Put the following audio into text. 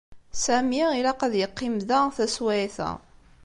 Sami ilaq ad yeqqim da taswiɛt-a.